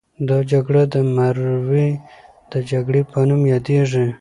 دا جګړه د مروې د جګړې په نوم یادیږي.